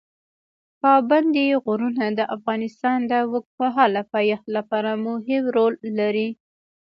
پابندی غرونه د افغانستان د اوږدمهاله پایښت لپاره مهم رول لري.